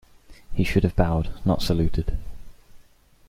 He should have bowed, not saluted